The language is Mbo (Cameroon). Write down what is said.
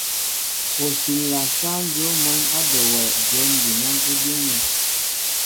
Ó siǹla sáŋ dyów mwɛ̌n á be wɛ jǒm jinán ó díŋnɛ.